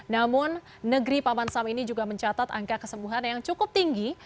namun negeri paman sam ini juga mencatat angka kesembuhan yang cukup tinggi